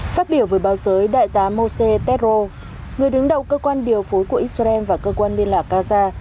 phát biểu với báo giới đại tá moshe tetro người đứng đầu cơ quan điều phối của israel và cơ quan liên lạc gaza